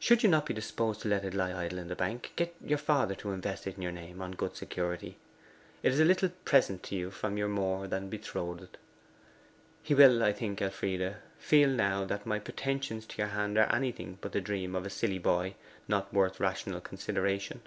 Should you not be disposed to let it lie idle in the bank, get your father to invest it in your name on good security. It is a little present to you from your more than betrothed. He will, I think, Elfride, feel now that my pretensions to your hand are anything but the dream of a silly boy not worth rational consideration.